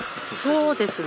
そうですね。